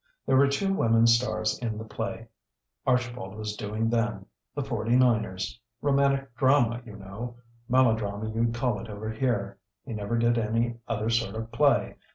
There were two women stars in the play Archibald was doing then 'The Forty Niners.' Romantic drama, you know! Melodrama you'd call it over here. He never did any other sort of play.